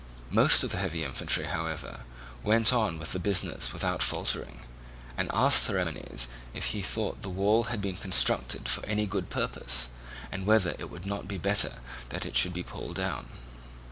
Most of the heavy infantry, however, went on with the business without faltering, and asked Theramenes if he thought the wall had been constructed for any good purpose, and whether it would not be better that it should be pulled down.